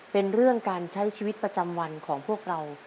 เป็นเรื่องการใช้ชีวิตประจำวันของพวกเรา